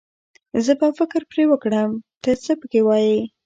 زه به فکر پرې وکړم، ته څه پکې وايې.